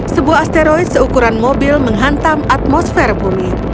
sebuah asteroid seukuran mobil menghantam atmosfer bumi